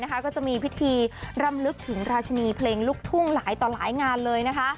ก็จะมีพิธีรำลึกถึงราชนีเพลงลูกทุ่งหลายต่อหลายงานเลยนะคะ